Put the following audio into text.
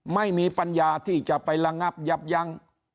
ไม่มีปัญญาที่จะไประงับยับยั้ง